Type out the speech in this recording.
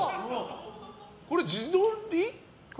これ自撮り？